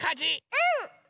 うん！